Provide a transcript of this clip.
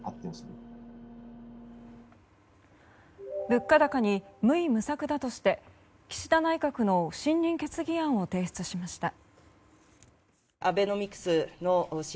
物価高に無為無策だとして岸田内閣の不信任決議案を提出しました。